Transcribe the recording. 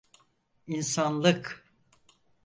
İnsanlık…